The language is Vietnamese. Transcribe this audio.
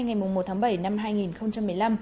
ngày một tháng bảy năm hai nghìn một mươi năm